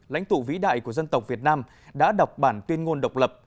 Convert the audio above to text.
lãnh tụ vĩ đại của dân tộc việt nam đã đọc bản tuyên ngôn độc lập